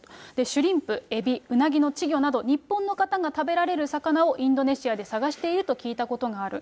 シュリンプ、エビ、稚魚など、日本の方が食べられる魚をインドネシアで探していると聞いたことがある。